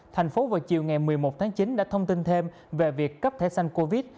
thành phố vào chiều ngày một mươi một tháng chín đã thông tin thêm về việc cấp thẻ xanh covid